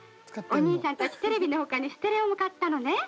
お兄さんたちテレビの他にステレオも買ったのね。